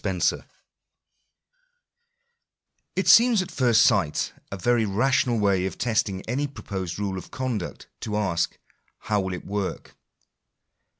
■ It seems at first sight a very rational way of testing any proposed rule of conduct to ask — How will it work